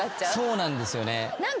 そうなんですよね。